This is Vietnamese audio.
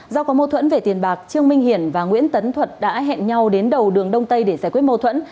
do có mâu thuẫn về tiền bạc trương minh hiển và nguyễn tấn thuật đã hẹn nhau đến đầu đường đông tây để giải quyết mâu thuẫn